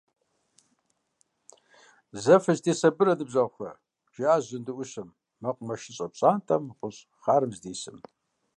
Зэ фызэтесабырэ, ныбжьэгъухэ! – жиӏащ жьынду ӏущым, мэкъумэшыщӏэ пщӏантӏэм гъущӏ хъарым здисым.